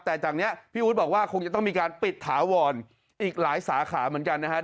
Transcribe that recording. แต่จากนี้พี่อู๊ดบอกว่าคงจะต้องมีการปิดถาวรอีกหลายสาขาเหมือนกันนะครับ